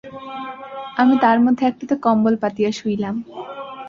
আমি তার মধ্যে একটাতে কম্বল পাতিয়া শুইলাম।